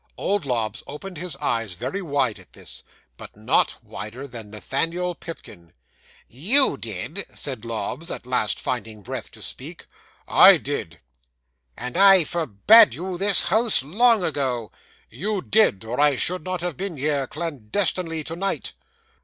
'Old Lobbs opened his eyes very wide at this, but not wider than Nathaniel Pipkin. '"You did?" said Lobbs, at last finding breath to speak. '"I did." '"And I forbade you this house, long ago." '"You did, or I should not have been here, clandestinely, to night."